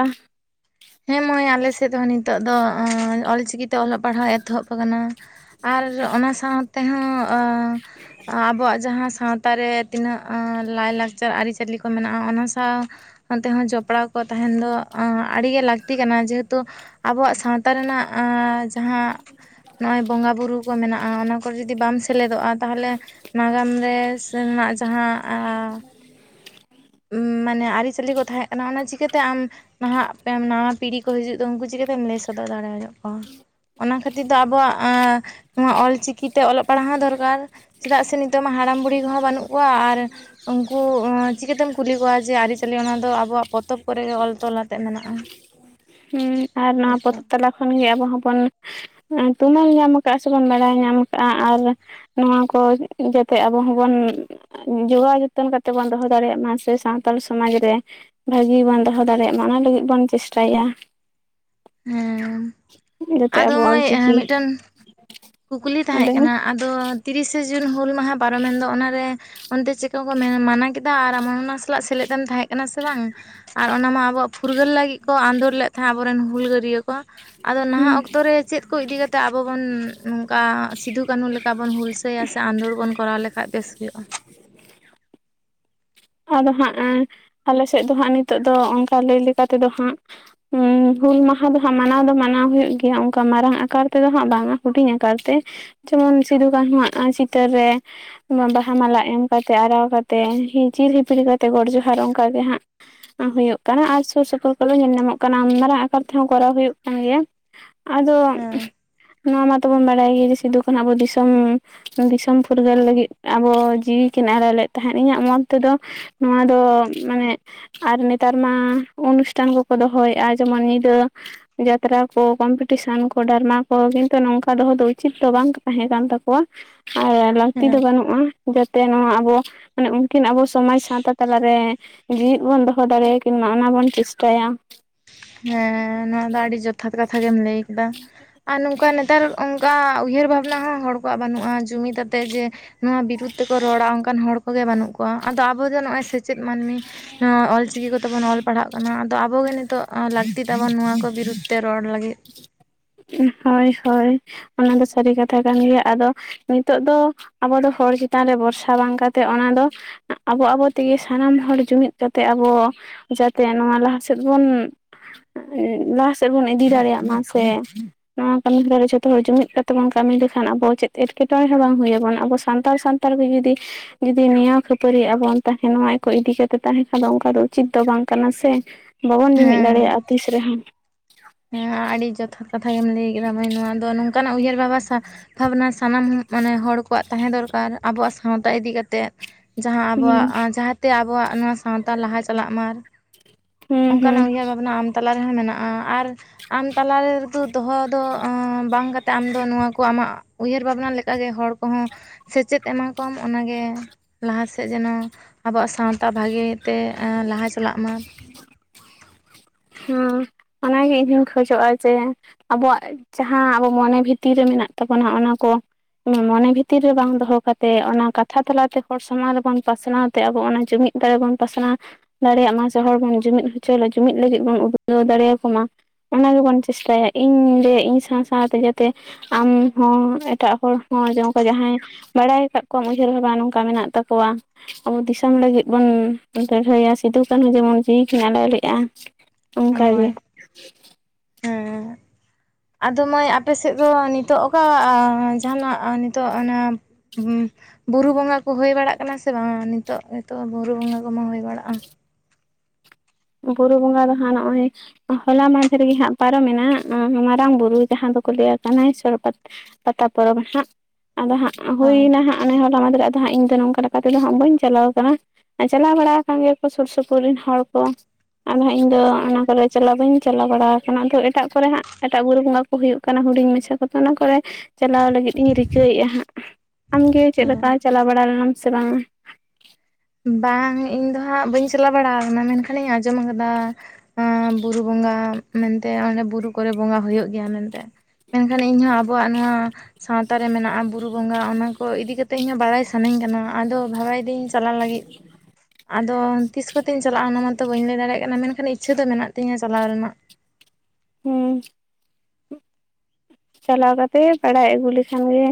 ᱦᱮᱸ ᱢᱟᱹᱭ ᱟᱞᱮ ᱥᱮᱫ ᱦᱚᱸ ᱱᱤᱛᱚᱜ ᱫᱚ ᱚᱞᱪᱤᱠᱤ ᱛᱮ ᱚᱞᱚᱜ ᱯᱟᱲᱦᱟᱣ ᱮᱛᱚᱦᱚᱵ ᱟᱠᱟᱱᱟ᱾ ᱟᱨ ᱚᱱᱟ ᱥᱟᱶ ᱛᱮᱦᱚᱸ ᱟᱵᱚᱣᱟᱜ ᱡᱟᱦᱟᱸ ᱥᱟᱶᱼᱼ ᱥᱟᱶᱛᱟ ᱨᱮ ᱛᱤᱱᱟᱹᱜ ᱞᱟᱭᱼᱞᱟᱠᱪᱟᱨ ᱟᱹᱨᱤᱪᱟᱹᱞᱤ ᱠᱚ ᱢᱮᱱᱟᱜᱼᱟ ᱚᱱᱟ ᱥᱟᱶᱼᱼ ᱚᱱᱛᱮ ᱦᱚᱸ ᱡᱚᱯᱲᱟᱣ ᱠᱚ ᱛᱟᱦᱮᱱ ᱫᱚ ᱟᱹᱰᱤ ᱜᱮ ᱞᱟᱠᱼᱼ ᱞᱟᱹᱠᱛᱤ ᱠᱟᱱᱟ ᱡᱮᱦᱩᱛᱩ ᱟᱵᱚᱣᱟᱜ ᱥᱟᱶᱛᱟ ᱨᱮᱱᱟᱜ ᱮ ᱡᱟᱦᱟᱸᱼᱼ ᱱᱚᱜᱼᱚᱭ ᱵᱚᱸᱜᱟ ᱵᱩᱨᱩ ᱠᱚ ᱢᱮᱱᱟᱜᱼᱟ ᱚᱱᱟ ᱠᱚ ᱨᱮ ᱡᱩᱫᱤ ᱵᱟᱢ ᱥᱮᱞᱮᱫᱚᱜᱼᱟ ᱛᱟᱦᱟᱞᱮ ᱱᱟᱜᱟᱢ ᱨᱮ ᱥᱮᱱᱟᱜ ᱡᱟᱦᱟᱸ ᱟᱻ ᱢᱟᱱᱮ ᱟᱹᱨᱤᱪᱟᱹᱞᱤ ᱠᱚ ᱛᱟᱦᱮᱜ ᱠᱟᱱᱟ ᱚᱱᱟ ᱪᱤᱠᱟᱹᱛᱮ ᱟᱢᱼᱼ ᱱᱟᱦᱟᱜ ᱱᱟᱣᱟ ᱯᱤᱲᱦᱤ ᱠᱚ ᱦᱤᱡᱩᱜ ᱫᱚ ᱩᱱᱠᱩ ᱪᱤᱠᱟᱹ ᱛᱮᱢ ᱞᱟᱹᱭ ᱥᱚᱫᱚᱨ ᱫᱟᱲᱮᱭᱟ ᱠᱚᱣᱟ᱾ ᱚᱱᱟ ᱠᱷᱟᱹᱛᱤᱨ ᱛᱮ ᱟᱵᱚᱣᱟᱜ ᱱᱚᱣᱟ ᱚᱞᱪᱤᱠᱤ ᱛᱮ ᱚᱞᱚᱜ ᱯᱟᱲᱦᱟᱣ ᱦᱚᱸ ᱫᱚᱨᱠᱟᱨᱼᱼ ᱪᱮᱫᱟᱜ ᱥᱮ ᱱᱤᱛᱚᱜ ᱢᱟ ᱦᱟᱲᱟᱢ ᱵᱩᱲᱦᱤ ᱠᱚ ᱦᱚᱸ ᱵᱟᱹᱱᱩᱜ ᱠᱚᱣᱟ ᱟᱨ ᱩᱱᱠᱩ ᱪᱤᱠᱟᱹ ᱛᱮᱢ ᱠᱩᱞᱤ ᱠᱚᱣᱟ ᱡᱮ ᱟᱹᱨᱤᱪᱟᱹᱞᱤ ᱚᱱᱟ ᱫᱚ ᱟᱵᱚᱣᱟᱜ ᱯᱚᱛᱚᱵ ᱠᱚ ᱨᱮ ᱚᱞ ᱛᱚᱞ ᱟᱛᱮ ᱢᱮᱱᱟᱜᱼᱟ ᱦᱩᱸ ᱟᱨ ᱱᱚᱣᱟ ᱯᱚᱛᱚᱵ ᱛᱟᱞᱟ ᱠᱷᱚᱱ ᱜᱮ ᱟᱵᱚ ᱦᱚᱸ ᱵᱚᱱ ᱮ ᱛᱩᱢᱟᱹᱞ ᱧᱟᱢ ᱠᱟᱜ ᱥᱮᱵᱚᱱ ᱵᱟᱲᱟᱭ ᱧᱟᱢ ᱠᱟᱜᱼᱟ ᱟᱨᱼᱼ ᱱᱚᱣᱟ ᱠᱚ ᱡᱟᱛᱮ ᱟᱵᱚ ᱦᱚᱸ ᱵᱚᱱᱼᱼ ᱡᱚᱜᱟᱣ ᱡᱚᱛᱚᱱ ᱠᱟᱛᱮᱫ ᱵᱚᱱ ᱫᱚᱦᱚ ᱫᱟᱲᱮᱭᱟᱜ ᱢᱟ ᱥᱮ ᱥᱟᱱᱛᱟᱞ ᱥᱚᱢᱟᱡᱽ ᱨᱮᱼᱼ ᱵᱷᱟᱹᱜᱤ ᱵᱚᱱ ᱫᱚᱦᱚ ᱫᱟᱲᱮᱭᱟᱜ ᱢᱟ ᱚᱱᱟ ᱞᱟᱹᱜᱤᱫ ᱵᱚᱱ ᱪᱮᱥᱴᱟᱭᱟ᱾ ᱦᱮᱸ ᱡᱟᱛᱮ ᱟᱫᱚ ᱟᱵᱚ ᱢᱟᱹᱭ ᱮ ᱚᱞᱪᱤᱠᱤ ᱢᱮᱫᱴᱮᱱ ᱠᱩᱠᱞᱤ ᱛᱟᱦᱮᱜ ᱟᱞᱮ ᱦᱩᱸ ᱠᱟᱱᱟ ᱟᱫᱚᱼ ᱛᱤᱨᱤᱥᱟ ᱡᱩᱱ ᱦᱩᱞ ᱢᱟᱦᱟ ᱯᱟᱨᱚᱢ ᱮᱱ ᱫᱚ ᱚᱱᱟ ᱨᱮᱼᱼ ᱚᱱᱛᱮ ᱪᱤᱠᱟᱹ ᱠᱚ ᱢᱮ ᱢᱟᱱᱟ ᱠᱮᱫᱟ ᱟᱨ ᱟᱢᱦᱚᱸ ᱚᱱᱟ ᱥᱟᱞᱟᱜ ᱥᱮᱞᱮᱫ ᱮᱢ ᱛᱟᱦᱮᱜ ᱠᱟᱱᱟ ᱥᱮ ᱵᱟᱝ ᱟᱨ ᱚᱱᱟ ᱢᱟ ᱟᱵᱚᱣᱟᱜ ᱯᱷᱩᱨᱜᱟᱹᱞ ᱞᱟᱹᱜᱤᱫ ᱠᱚ ᱟᱸᱫᱳᱲ ᱞᱮᱫ ᱛᱟᱦᱮᱸᱜ ᱟᱵᱚ ᱨᱮᱱ ᱦᱩᱞᱜᱟᱹᱨᱭᱟᱹ ᱠᱚ᱾ ᱟᱫᱚ ᱱᱟᱦᱟᱜ ᱚᱠᱛᱚ ᱨᱮ ᱪᱮᱫ? ᱠᱚ ᱤᱫᱤ ᱠᱟᱛᱮ ᱟᱵᱚ ᱵᱚᱱ ᱱᱚᱝᱠᱟ ᱥᱤᱫᱩ ᱠᱟᱹᱱᱩ ᱞᱮᱠᱟ ᱵᱚᱱ ᱦᱩᱞᱥᱟᱹᱭᱟ ᱥᱮ ᱟᱸᱫᱳᱲ ᱵᱚᱱ ᱠᱚᱨᱟᱣ ᱞᱮᱠᱷᱟᱡ ᱵᱮᱥ ᱦᱩᱭᱩᱜᱼᱟ ᱟᱫᱚ ᱦᱟᱸᱜ ᱮ ᱟᱞᱮ ᱥᱮᱫ ᱫᱚ ᱦᱟᱸᱜ ᱱᱤᱛᱚᱜ ᱫᱚ ᱚᱱᱠᱟ ᱞᱟᱹᱭ ᱞᱮᱠᱟ ᱛᱮ ᱫᱚ ᱦᱟᱸᱜ ᱦᱩᱸ ᱦᱩᱞ ᱢᱟᱦᱟ ᱫᱚ ᱦᱟᱸᱜ ᱢᱟᱱᱟᱣ ᱫᱚ ᱢᱟᱱᱟᱣ ᱦᱩᱭᱩᱜ ᱜᱮᱭᱟ ᱚᱱᱠᱟ ᱢᱟᱨᱟᱝ ᱟᱠᱟᱨ ᱛᱮᱫᱚ ᱦᱟᱸᱜ ᱵᱟᱝᱟ ᱦᱩᱰᱤᱧ ᱟᱠᱟᱨ ᱛᱮ, ᱡᱮᱢᱚᱱ ᱥᱤᱫᱩ ᱠᱟᱹᱱᱦᱩᱣᱟᱜ ᱪᱤᱛᱟᱹᱨ ᱨᱮ, ᱵᱟᱼᱵᱟᱦᱟ ᱢᱟᱞᱟ ᱮᱢ ᱠᱟᱛᱮᱫ ᱟᱨᱟᱣ ᱠᱟᱛᱮᱫ ᱦᱤ ᱪᱤᱨ ᱦᱤᱯᱤᱲ ᱠᱟᱛᱮᱜ ᱜᱚᱰ ᱡᱚᱦᱟᱨ ᱚᱱᱠᱟᱜ ᱜᱮ ᱦᱟᱸᱜ᱾ ᱦᱩᱭᱩᱜ ᱠᱟᱱᱟ ᱟᱨ ᱥᱩᱨ ᱥᱩᱯᱩᱨ ᱠᱚ ᱨᱮ ᱧᱮᱞ ᱧᱟᱢᱚᱜ ᱠᱟᱱᱟ ᱢᱟᱨᱟᱝ ᱟᱠᱟᱨ ᱛᱮ ᱦᱚᱸ ᱠᱚᱨᱟᱣ ᱦᱩᱭᱩᱜ ᱠᱟᱱ ᱜᱮᱭᱟ ᱟᱫᱚ, ᱦᱮᱸ ᱱᱚᱣᱟ ᱢᱟᱛᱟᱵᱚᱱ ᱵᱟᱲᱟᱭ ᱜᱮ ᱡᱮ ᱥᱤᱫᱩ ᱠᱩᱹᱱᱦᱩ ᱟᱵᱚ ᱫᱤᱥᱚᱢ ᱫᱤᱥᱚᱢ ᱯᱷᱩᱨᱜᱟᱹᱞ ᱞᱟᱹᱜᱤᱫ ᱟᱵᱚ ᱡᱤᱣᱤ ᱠᱤᱱ ᱟᱞᱟᱭ ᱞᱮᱫ ᱛᱟᱦᱮᱸᱫ, ᱤᱧᱟᱹᱜ ᱢᱚᱛ ᱛᱮᱫᱚ ᱱᱚᱣᱟ ᱫᱚ ᱢᱟᱱᱮ ᱟᱨ ᱱᱮᱛᱟᱨ ᱢᱟ ᱚᱱᱩᱥᱴᱷᱟᱱ ᱠᱚᱠᱚ ᱫᱚᱦᱚᱭᱮᱜᱼᱟ, ᱡᱮᱢᱚᱱ ᱧᱤᱫᱟᱹ ᱡᱟᱛᱨᱟ ᱠᱚ, ᱠᱚᱢᱯᱤᱴᱤᱥᱟᱱ ᱠᱚ, ᱰᱟᱨᱢᱟ ᱠᱚ ᱠᱤᱱᱛᱩ ᱱᱚᱝᱠᱟ ᱫᱚᱦᱚ ᱫᱚ ᱩᱪᱤᱛ ᱫᱚ ᱵᱟᱝ ᱛᱟᱦᱮᱸ ᱠᱟᱱ ᱛᱟᱠᱚᱣᱟ ᱟᱨ ᱞᱟᱹᱠᱛᱤ ᱫᱚ ᱦᱮᱸ ᱵᱟᱹᱱᱩᱜᱼᱟ᱾ ᱡᱟᱛᱮ ᱱᱚᱣᱟ ᱟᱵᱚ ᱢᱟᱱᱮ ᱩᱱ ᱠᱤᱱ ᱟᱵᱚ ᱥᱚᱢᱟᱡᱽ ᱥᱟᱶᱛᱟ ᱛᱟᱞᱟᱨᱮ ᱡᱤᱣᱤᱫ ᱵᱚᱱ ᱫᱚᱦᱚ ᱫᱟᱲᱮᱭᱟᱠᱤᱱ ᱢᱟ ᱚᱱᱟ ᱵᱚᱱ ᱪᱤᱥᱴᱟᱭᱟ᱾ ᱦᱮᱸ ᱱᱚᱣᱟ ᱫᱚ ᱟᱹᱰᱤ ᱡᱚᱛᱷᱟᱛ ᱠᱟᱛᱷᱟ ᱜᱮᱢ ᱞᱟᱹᱭ ᱠᱮᱫᱟ᱾ ᱟᱨ ᱱᱚᱝᱠᱟ ᱱᱮᱛᱟᱨ ᱚᱝᱠᱟ ᱩᱭᱦᱟᱹᱨ ᱵᱷᱟᱵᱽᱱᱟ ᱦᱚᱸ ᱦᱚᱲ ᱠᱚᱣᱟᱜ ᱵᱟᱹᱱᱩᱜᱼᱟ, ᱡᱩᱢᱤᱫ ᱟᱛᱮ ᱡᱮ ᱱᱚᱣᱟ ᱵᱤᱨᱩᱫᱽ ᱛᱮ ᱠᱚ ᱨᱚᱲᱟ ᱚᱱᱠᱟᱱ ᱦᱚᱲ ᱠᱚ ᱜᱮ ᱵᱟᱹᱱᱩᱜ ᱠᱚᱣᱟ ᱟᱫᱚ ᱟᱵᱚ ᱫᱚ ᱱᱚᱜ-ᱚᱭ ᱥᱮ ᱪᱮᱫ ᱢᱟᱹᱱᱢᱤ, ᱱᱚᱣᱟ ᱚᱞ ᱪᱤᱠᱤ ᱠᱚ ᱛᱮ ᱵᱚᱱ ᱚᱞ ᱯᱟᱲᱦᱟᱜ ᱠᱟᱱᱟ᱾ ᱟᱫᱚ ᱟᱵᱚ ᱜᱮ ᱱᱤ ᱟᱸ ᱞᱟᱠᱛᱤ ᱛᱟᱵᱚᱱ ᱱᱚᱣᱟ ᱠᱚ ᱵᱤᱨᱩᱫᱽ ᱛᱮ ᱨᱚᱲ ᱞᱟᱜᱤᱫ᱾ ᱦᱳᱭ ᱦᱳᱭ, ᱚᱱᱟ ᱫᱚ ᱥᱟᱨᱤ ᱠᱟᱛᱷᱟ ᱠᱟᱱ ᱜᱮᱭᱟ᱾ ᱟᱫᱚ ᱱᱤᱛᱚᱜ ᱫᱚ, ᱟᱵᱚ ᱫᱚ ᱦᱚᱲ ᱪᱮᱛᱟᱱ ᱨᱮ ᱵᱷᱚᱨᱥᱟ ᱵᱟᱝ ᱠᱟᱛᱮᱫ ᱚᱱᱟ ᱫᱚ ᱟᱵᱚ ᱟᱵᱚ ᱛᱮᱜᱮ ᱥᱟᱱᱟᱢ ᱦᱚᱲ ᱡᱩᱢᱤᱫ ᱠᱟᱛᱮᱜ ᱟᱵᱚ ᱡᱟᱛᱮ ᱱᱚᱣᱟ ᱞᱟᱦᱟ ᱥᱮᱫ ᱵᱚᱱ, ᱞᱟᱦᱟ ᱥᱮᱫ ᱵᱚᱱ ᱤᱫᱤ ᱫᱟᱲᱮᱭᱟᱜ ᱢᱟ ᱥᱮ ᱱᱚᱣᱟ ᱠᱟᱹᱢᱤᱦᱚᱨᱟ ᱨᱮ ᱡᱷᱚᱛᱚ ᱦᱚᱲ ᱡᱩᱢᱤᱫ ᱱᱟᱣᱟ ᱱᱚᱣᱟ ᱱᱚᱣᱟ ᱠᱟᱢᱤ ᱦᱟᱨᱟ ᱨᱮ ᱡᱷᱚᱛᱚ ᱦᱚᱲ ᱡᱩᱢᱤᱫ ᱠᱟᱛᱮ ᱵᱚᱱ ᱠᱟᱢᱤ ᱞᱮᱠᱷᱟᱱ ᱟᱵᱚ ᱪᱮᱫ ᱮᱴᱠᱮᱴᱚᱬᱮ ᱦᱚᱸ ᱵᱟᱝ ᱦᱩᱭ ᱟᱵᱚᱱᱟ᱾ ᱟᱵᱚ ᱥᱟᱱᱛᱟᱲ ᱥᱟᱱ ᱛᱟᱞ ᱜᱮ ᱡᱩᱫᱤ ᱡᱩᱫᱤ ᱱᱮᱭᱟᱣ ᱠᱷᱟᱹᱯᱟᱹᱨᱤ ᱟᱵᱚᱱ ᱛᱟᱦᱮᱸᱱ ᱱᱚᱣᱟ ᱠᱚ ᱤᱫᱤ ᱠᱟᱛᱮ ᱛᱟᱦᱮᱸ ᱠᱷᱟᱱ ᱫᱚ ᱚᱱᱠᱟ ᱫᱚ ᱩᱪᱤᱛ ᱫᱚ ᱵᱟᱝ ᱠᱟᱱᱟ ᱥᱮ᱾ ᱵᱟᱵᱚᱱ ᱡᱩᱢᱤᱫ ᱫᱟᱲᱮᱭᱟᱜᱼᱟ ᱛᱤᱥ ᱨᱮ ᱦᱚᱸ᱾ ᱦᱮ ᱟᱰᱤ ᱡᱚᱛᱷᱟᱛ ᱠᱟᱛᱷᱟ ᱜᱮᱢ ᱞᱟᱹᱭ ᱠᱮᱫᱟ ᱢᱟᱹᱭ, ᱱᱚᱣᱟ ᱫᱚ ᱱᱚᱝᱠᱟᱱᱟᱜ ᱩᱭᱦᱟᱹᱨ ᱵᱷᱟᱵᱟ ᱥᱟ ᱵᱷᱟᱵᱽᱱᱟ ᱥᱟᱱᱟᱢ ᱢᱟᱱᱮ ᱦᱚᱲ ᱠᱚᱣᱟᱜ ᱛᱟᱦᱮᱸ ᱫᱚᱨᱠᱟᱨ ᱟᱵᱚᱣᱟᱜ ᱥᱟᱶᱛᱟ ᱤᱫᱤ ᱠᱟᱛᱮᱫ, ᱡᱟᱦᱟᱸ ᱦᱩᱸ ᱟᱵᱚᱣᱟᱜ ᱡᱟᱦᱟᱸ ᱛᱮ ᱟᱵᱚᱣᱟᱜ ᱱᱚᱣᱟ ᱥᱟᱶᱛᱟ ᱞᱟᱦᱟ ᱪᱟᱞᱟᱜ ᱢᱟ ᱟᱨ ᱦᱩᱸ ᱦᱩᱸ ᱚᱝᱠᱟᱱᱟᱜ ᱩᱭᱦᱟᱹᱨ ᱵᱷᱟᱵᱽᱱᱟ ᱟᱢ ᱛᱟᱞᱟ ᱨᱮᱦᱚᱸ ᱢᱮᱱᱟᱜᱼᱟ ᱟᱨ ᱟᱢ ᱛᱟᱞᱟ ᱨᱮ ᱫᱚ ᱫᱚᱦᱚ ᱫᱚ ᱵᱟᱝ ᱚᱸ ᱠᱟᱛᱮᱫ ᱟᱢ ᱫᱚ ᱱᱚᱣᱟ ᱠᱚ ᱟᱢᱟᱜ ᱩᱭᱦᱟᱹᱨ ᱵᱷᱟᱵᱽᱱᱟ ᱞᱮᱠᱟ ᱜᱮ ᱦᱚᱲ ᱠᱚ ᱦᱚᱸ ᱥᱮᱪᱮᱫ ᱮᱢᱟ ᱠᱚᱢ, ᱚᱱᱟ ᱜᱮ ᱞᱟᱦᱟ ᱥᱮᱫ ᱡᱮᱱᱚ ᱟᱵᱚᱣᱟᱜ ᱥᱟᱶ ᱛᱟ ᱵᱷᱟᱜᱮ ᱛᱮ ᱞᱟᱦᱟ ᱮᱸ ᱪᱟᱞᱟᱜ ᱢᱟ᱾ ᱦᱩᱸ, ᱚᱱᱟ ᱜᱮ ᱤᱧ ᱦᱚᱸᱧ ᱠᱷᱚᱡᱚᱜᱼᱟ ᱡᱮ ᱟᱵᱚᱣᱟᱜ ᱡᱟᱦᱟᱸ ᱟᱵᱚ ᱢᱚᱱᱮ ᱵᱷᱤᱛᱤᱨ ᱨᱮ ᱢᱮᱱᱟᱜ ᱛᱟᱵᱚᱱᱟ ᱚᱱᱟ ᱠᱚ ᱢᱚᱱᱮ ᱵᱷᱤᱛᱤᱨ ᱨᱮ ᱵᱟᱝ ᱫᱚᱦᱚ ᱠᱟᱛᱮᱜ, ᱚᱱᱟ ᱠᱟᱛᱷᱟ ᱛᱟᱞᱟ ᱛᱮ ᱦᱚᱲ ᱥᱟᱢᱟᱝ ᱨᱮ ᱵᱚᱱ ᱯᱟᱥᱱᱟᱣ ᱛᱮ ᱟᱵᱚ ᱚᱱᱟ ᱡᱩᱢᱤᱫ ᱫᱟᱲᱮ ᱵᱚᱱ ᱯᱟᱥᱱᱟᱣ, ᱫᱟᱲᱮᱭᱟᱜ ᱢᱟ ᱥᱮ ᱦᱚᱲ ᱵᱚᱱ ᱡᱩᱢᱤᱫ ᱦᱚᱪᱚ ᱡᱩᱢᱤᱫ ᱞᱟᱹᱜᱤᱫ ᱵᱚᱱ ᱩᱫᱽᱜᱟᱹᱣ ᱫᱟᱲᱮᱭᱟᱠᱚ ᱢᱟ, ᱚᱱᱟ ᱜᱮ ᱵᱚᱱ ᱪᱮᱥᱴᱟᱭᱟ, ᱤᱧ ᱞᱟᱹᱭᱟ ᱤᱧ ᱥᱟᱶ ᱥᱟᱶᱛᱮ ᱡᱟᱛᱮ ᱟᱢ ᱦᱚᱸ ᱮᱴᱟᱜ ᱦᱚᱲ ᱦᱚᱸ ᱡᱮ ᱚᱝᱠᱟ ᱡᱟᱦᱟᱸᱭ ᱵᱟᱲᱟᱭ ᱠᱟᱜ ᱠᱚᱣᱟᱢ ᱩᱭᱦᱟᱹᱨ ᱵᱷᱟᱵᱟ ᱱᱚᱝᱠᱟ ᱢᱮᱱᱟᱜ ᱛᱟᱠᱚᱣᱟ, ᱟᱵᱚ ᱫᱤᱥᱚᱢ ᱞᱟᱹᱜᱤᱫ ᱵᱚᱱ ᱞᱟᱹᱲᱦᱟᱹᱭᱟ ᱥᱤᱫᱩ ᱠᱟᱱᱦᱩ ᱡᱮᱢᱚᱱ ᱡᱤᱣᱤ ᱠᱤᱱ ᱟᱞᱟᱭ ᱞᱮᱫᱼᱟ᱾ ᱚᱝᱠᱟ ᱜᱮ᱾ ᱦᱳᱭ ᱦᱮᱸ ᱟᱫᱚ ᱢᱟᱹᱭ ᱟᱯᱮ ᱥᱮᱫ ᱫᱚ ᱱᱤᱛᱚᱜ ᱚᱠᱟ ᱡᱟᱦᱟᱸᱱᱟᱜ ᱱᱤᱛᱚᱜ ᱚᱱᱟ ᱦᱩᱸ, ᱵᱩᱨᱩ ᱵᱚᱸᱜᱟ ᱠᱚ ᱦᱩᱭ ᱵᱟᱲᱟᱜ ᱠᱟᱱᱟ ᱥᱮ ᱵᱟᱝ? ᱱᱤᱛᱚᱜ ᱱᱤᱛᱚᱜ ᱵᱩᱨᱩ ᱵᱚᱸᱜᱟ ᱠᱚ ᱢᱟ ᱦᱩᱭ ᱵᱟᱲᱟᱜᱼᱟ᱾ ᱵᱩᱨᱩ ᱵᱚᱸᱜᱟ ᱫᱚ ᱦᱟᱸᱜ ᱱᱚᱜ-ᱚᱭ ᱦᱚᱞᱟ ᱢᱟᱦᱫᱮᱨ ᱜᱮ ᱦᱟᱸᱜ ᱯᱟᱨᱚᱢᱮᱱᱟ, ᱢᱟᱨᱟᱝ ᱵᱩᱨᱩ ᱡᱟᱦᱟᱸ ᱫᱚ ᱠᱚ ᱞᱟᱹᱭᱟ ᱠᱟᱱᱟᱭᱥᱚᱨ ᱯᱟᱛᱟ ᱯᱟᱛᱟ ᱯᱚᱨᱚᱵ ᱦᱟᱸᱜ, ᱟᱫᱚ ᱦᱟᱸᱜ ᱦᱳᱭ ᱦᱩᱭᱱᱟ ᱦᱟᱸᱜ᱾ ᱟᱱᱮ ᱦᱚᱞᱟ ᱢᱟᱦᱫᱮᱨ ᱟᱫᱚ ᱦᱟᱸᱜ ᱤᱧ ᱫᱚ ᱱᱚᱝᱠᱟ ᱞᱮᱠᱟ ᱛᱮ ᱫᱚ ᱦᱟᱸᱜ ᱵᱟᱹᱧ ᱪᱟᱞᱟᱣ ᱠᱟᱱᱟ᱾ ᱟᱨ ᱪᱟᱞᱟᱣ ᱵᱟᱲᱟ ᱟᱠᱟᱱ ᱜᱮᱭᱟ ᱠᱚ ᱥᱩᱨ ᱥᱩᱯᱩᱨ ᱨᱤᱱ ᱦᱚᱲ ᱠᱚ, ᱟᱫᱚ ᱦᱟᱸᱜ ᱤᱧ ᱫᱚ ᱚᱱᱟ ᱠᱚ ᱨᱮ ᱪᱟᱞᱟᱣ ᱵᱟᱹᱧ ᱪᱟᱞᱟᱣ ᱵᱟᱲᱟ ᱟᱠᱟᱱᱟ, ᱟᱫᱚ ᱮᱴᱟᱜ ᱠᱚ ᱨᱮ ᱦᱟᱸᱜ, ᱮᱴᱟᱜ ᱵᱩᱨᱩ ᱵᱚᱸᱜᱟ ᱠᱚ ᱦᱩᱭᱩᱜ ᱠᱟᱱᱟ, ᱦᱩᱰᱤᱧ ᱢᱟᱪᱷᱟ ᱠᱚ ᱫᱚ ᱚᱱᱟ ᱠᱚᱨᱮ ᱪᱟᱞᱟᱣ ᱞᱟᱜᱤᱫ ᱤᱧ ᱨᱤᱠᱟᱹᱭᱮᱜᱼᱟ ᱦᱟᱸᱜ᱾ ᱟᱢ ᱜᱮ ᱪᱮᱫ ᱦᱮᱸ ᱞᱮᱠᱟ ᱪᱟᱞᱟᱣ ᱵᱟᱲᱟ ᱞᱮᱱᱟᱢ ᱥᱮ ᱵᱟᱝ? ᱵᱟᱝ ᱤᱧ ᱫᱚ ᱦᱟᱸᱜ ᱵᱟᱹᱧ ᱪᱟᱞᱟᱣ ᱵᱟᱲᱟ ᱠᱟᱱᱟ ᱢᱮᱱᱠᱷᱟᱱᱤᱧ ᱟᱸᱡᱚᱢ ᱟᱠᱟᱫᱟ, ᱟᱸ ᱵᱩᱨᱩ ᱵᱚᱸᱜᱟ ᱢᱮᱱ ᱛᱮ ᱚᱸᱰᱮ ᱵᱩᱨᱩ ᱠᱚ ᱨᱮ ᱵᱚᱸᱜᱟ ᱦᱩᱭᱩᱜ ᱜᱮᱭᱟ ᱢᱮᱱᱛᱮ᱾ ᱢᱮᱱᱠᱷᱟᱱ ᱤᱧᱦᱚᱸ ᱟᱵᱚᱣᱟᱜ ᱱᱚᱣᱟ, ᱥᱟᱶᱛᱟ ᱨᱮ ᱢᱮᱱᱟᱜᱼᱟ ᱵᱩᱨᱩ ᱵᱚᱸᱜᱟ ᱚᱱᱟ ᱠᱚ ᱤᱫᱤ ᱠᱟ ᱤᱧ ᱦᱚᱸ ᱵᱟᱲᱟᱭ ᱥᱟᱹᱱᱟᱹᱧ ᱠᱟᱱᱟ ᱟᱫᱚ ᱵᱷᱟᱲᱟᱭ ᱫᱟᱹᱧ ᱪᱟᱞᱟᱜ ᱞᱟᱜᱤᱫ ᱟᱫᱚ ᱛᱤᱥᱼᱼ ᱠᱚᱛᱮᱧ ᱪᱟᱞᱟᱜᱼᱟ ᱚᱱᱟ ᱢᱟᱛᱚ ᱵᱟᱹᱧ ᱞᱟᱹᱭ ᱫᱟᱲᱮᱭᱟᱜ ᱠᱟᱱᱟ ᱢᱮᱱᱠᱷᱟᱱ ᱤᱪᱪᱷᱟᱹ ᱫᱚ ᱢᱮᱱᱟᱜ ᱛᱤᱧᱟᱹ ᱪᱟᱞᱟᱣ ᱨᱮᱱᱟᱜ᱾ ᱦᱩᱸ᱾ ᱪᱟᱞᱟᱣ ᱠᱟᱛᱮ ᱵᱟᱲᱟᱭ ᱟᱜᱩ ᱞᱮᱠᱷᱟᱱ ᱜᱮ᱾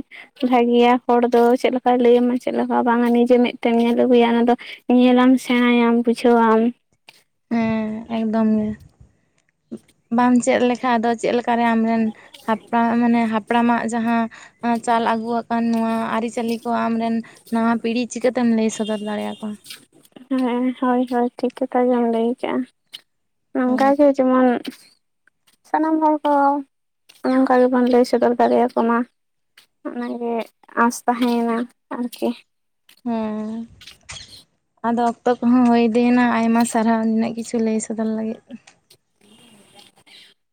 ᱵᱷᱟᱜᱤᱭᱟ ᱦᱚᱲ ᱫᱚ ᱪᱮᱫ ᱞᱮᱠᱟᱭ ᱞᱟᱹᱭᱟᱢᱟ ᱪᱮᱫ ᱞᱮᱠᱟ ᱵᱟᱝᱼᱟ ᱱᱤᱡᱮ ᱢᱮᱛᱛᱮᱢ ᱧᱮᱞ ᱟᱜᱩᱭᱟ ᱚᱱᱟ ᱫᱚᱼᱼ ᱧᱮᱞᱟᱢ ᱥᱮᱬᱟᱭᱟᱢ ᱵᱩᱡᱷᱟᱹᱣᱟᱢ᱾ ᱦᱮᱸ ᱮᱠᱫᱚᱢ ᱜᱮ ᱵᱟᱢ ᱪᱮᱫ ᱞᱮᱠᱷᱟᱱ ᱟᱫᱚ ᱪᱮᱫ ᱞᱮᱠᱟ ᱨᱮ ᱟᱢ ᱨᱮᱱᱼᱼ ᱦᱟᱯᱲᱟᱢᱟᱜ ᱢᱟᱱᱮ ᱦᱟᱯᱲᱟᱢᱟᱜ ᱡᱟᱦᱟ ᱪᱟᱞ ᱟᱹᱜᱩᱣᱟ ᱠᱟᱱ ᱱᱚᱣᱟ ᱟᱨᱤᱪᱟᱹᱞᱤ ᱠᱚ ᱟᱢ ᱨᱮᱱᱼᱼ ᱱᱟᱣᱟ ᱯᱤᱲᱦᱤ ᱪᱤᱠᱟᱹᱛᱮᱢ ᱞᱟᱹᱭ ᱥᱚᱫᱚᱨ ᱫᱟᱲᱮᱭᱟ ᱠᱚᱣᱟ᱾ ᱦᱮᱸ ᱦᱳᱭ ᱦᱳᱭ ᱴᱷᱤᱠ ᱠᱟᱛᱷᱟ ᱜᱮᱢ ᱞᱟᱹᱭ ᱠᱟᱜᱼᱟ᱾ ᱱᱚᱝᱠᱟ ᱜᱮ ᱡᱮᱢᱚᱱᱼᱼ ᱥᱟᱱᱟᱢ ᱦᱚᱲ ᱠᱚ ᱚᱱᱠᱟ ᱜᱮᱵᱚᱱ ᱞᱟᱹᱭ ᱥᱚᱫᱚᱨ ᱫᱟᱲᱮᱭᱟᱠᱚ ᱢᱟ᱾ ᱚᱱᱟᱜᱮ ᱟᱥ ᱛᱟᱦᱮᱭᱮᱱᱟ ᱟᱨᱠᱤ᱾ ᱦᱮᱸ᱾ ᱟᱫᱚ ᱚᱠᱛᱚ ᱠᱚᱦᱚᱸ ᱦᱳᱭ ᱤᱫᱤᱭᱮᱱᱟ ᱟᱭᱢᱟ ᱥᱟᱨᱦᱟᱣ ᱱᱤᱱᱟᱹᱜ ᱠᱤᱪᱷᱩ ᱞᱟᱹᱭ ᱥᱚᱫᱚᱨ ᱞᱟᱹᱜᱤᱫ᱾ [inaudible]